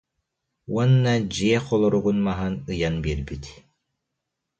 Уонна дьиэ холоругун маһын ыйан биэрбит